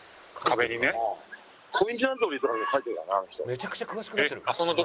めちゃくちゃ詳しくなってる。